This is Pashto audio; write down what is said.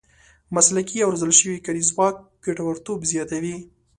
مسلکي او روزل شوی کاري ځواک ګټورتوب زیاتوي.